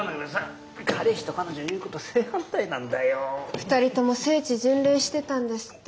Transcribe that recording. ２人とも聖地巡礼してたんですって。